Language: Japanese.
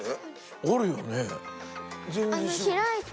あるよね。